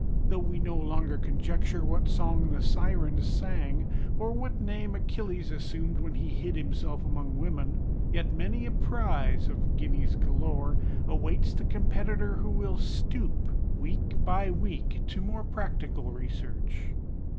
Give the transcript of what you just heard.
Though we no longer conjecture what song the Sirens sang, or what name Achilles assumed when he hid himself among women, yet many a prize (of guineas galore) awaits the competitor who will stoop, week by week, to more practical research.